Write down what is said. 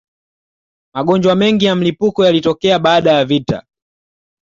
magonjwa mengi ya mlipuko yalitokea baada ya vita